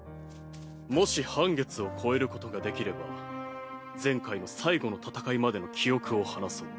もし半月を超えることができれば前回の最後の戦いまでの記憶を話そう。